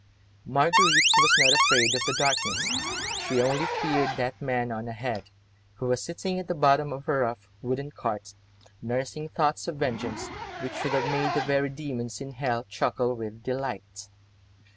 Marguerite was not afraid of the darkness, she only feared that man, on ahead, who was sitting at the bottom of a rough wooden cart, nursing thoughts of vengeance, which would have made the very demons in hell chuckle with delight.